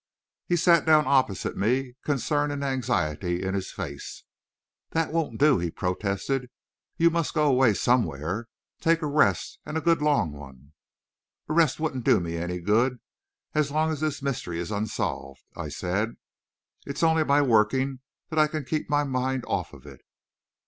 He sat down opposite me, concern and anxiety in his face. "That won't do," he protested. "You must go away somewhere take a rest, and a good long one." "A rest wouldn't do me any good, as long as this mystery is unsolved," I said. "It's only by working that I can keep my mind off of it."